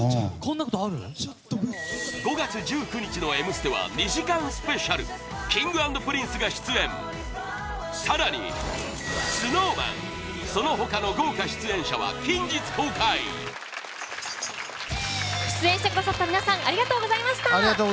５月１９日の「Ｍステ」は２時間スペシャルＫｉｎｇ＆Ｐｒｉｎｃｅが出演更にＳｎｏｗＭａｎその他の豪華出演者は近日公開出演してくださった皆さんありがとうございました。